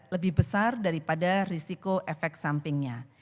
lebih besar daripada risiko efek sampingnya